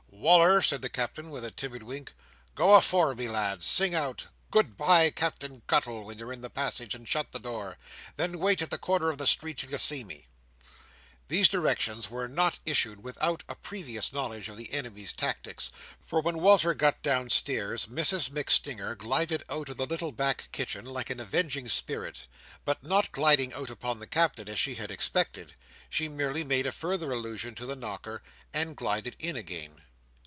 "Wal"r," said the Captain, with a timid wink, "go afore, my lad. Sing out, 'good bye, Captain Cuttle,' when you're in the passage, and shut the door. Then wait at the corner of the street "till you see me. These directions were not issued without a previous knowledge of the enemy's tactics, for when Walter got downstairs, Mrs MacStinger glided out of the little back kitchen, like an avenging spirit. But not gliding out upon the Captain, as she had expected, she merely made a further allusion to the knocker, and glided in again.